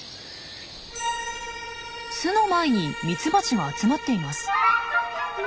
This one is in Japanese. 巣の前にミツバチが集まっています。